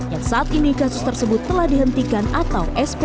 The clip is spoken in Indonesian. yang saat ini kasus tersebut telah dihentikan atau sp tiga